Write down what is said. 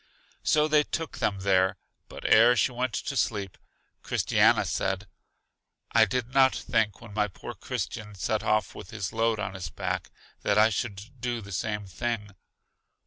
So they took them there, but ere she went to sleep, Christiana said, I did not think when my poor Christian set off with his load on his back that I should do the same thing.